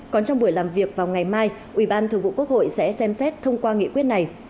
còn trong buổi làm việc vào ngày mai ủy ban thường vụ quốc hội sẽ xem xét thông qua nghị quyết này